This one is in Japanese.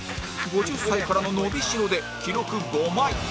５０歳からの伸びしろで記録５枚